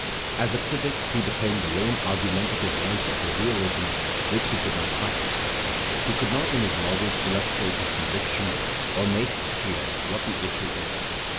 As a critic, he became the lone argumentative voice of a realism which he could not practise; he could not in his novels illustrate his conviction, or make clear what the issue is.